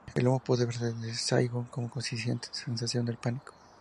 El humo pudo verse desde Saigón con la consiguiente sensación de pánico.